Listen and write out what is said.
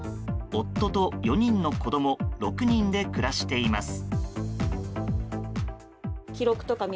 夫と４人の子供６人で暮らしています。